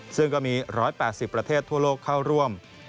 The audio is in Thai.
ซึ่งก็มีร้อยแปดสิบประเทศทั่วโลกเข้าร่วม